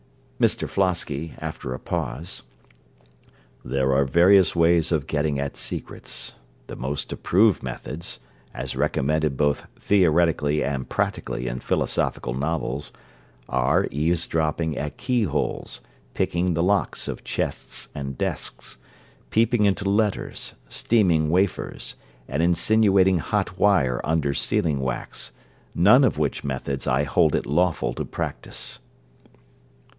MR FLOSKY (after a pause) There are various ways of getting at secrets. The most approved methods, as recommended both theoretically and practically in philosophical novels, are eavesdropping at key holes, picking the locks of chests and desks, peeping into letters, steaming wafers, and insinuating hot wire under sealing wax; none of which methods I hold it lawful to practise.